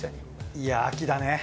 いや秋だね。